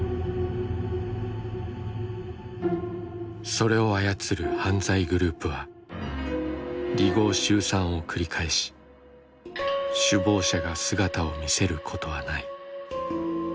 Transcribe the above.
それを操る犯罪グループは離合集散を繰り返し首謀者が姿を見せることはない。